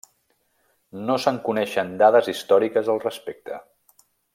No se'n coneixen dades històriques al respecte.